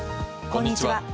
こんにちは。